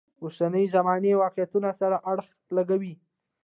اوسنۍ زمانې واقعیتونو سره اړخ لګوي.